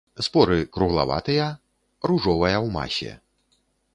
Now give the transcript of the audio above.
Споры круглаватыя, ружовая ў масе.